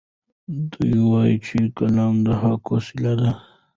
دی وایي چې قلم د حق وسیله ده.